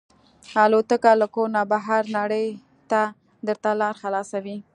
الوتکه له کور نه بهر نړۍ ته درته لاره خلاصوي.